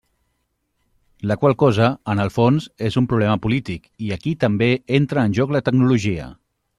La qual cosa, en el fons, és un problema polític, i aquí també entra en joc la tecnologia.